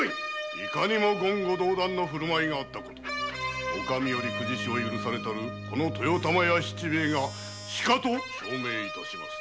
いかにも言語道断の振る舞いがあったことお上より公事師を許されたるこの豊玉屋七兵衛がしかと証明致しまする。